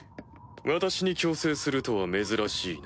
私に強制するとは珍しいな。